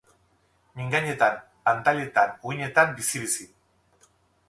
Mingainetan, pantailetan, uhinetan bizi-bizi.